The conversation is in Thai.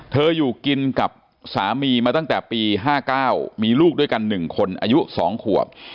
อยู่กินกับสามีมาตั้งแต่ปี๕๙มีลูกด้วยกัน๑คนอายุ๒ขวบ